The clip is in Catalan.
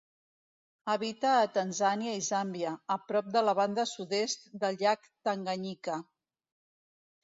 Habita a Tanzània i Zàmbia, a prop de la banda sud-est del Llac Tanganyika.